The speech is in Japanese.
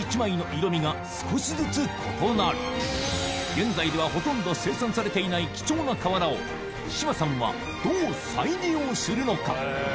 現在ではほとんど生産されていない貴重な瓦を志麻さんはどう再利用するのか？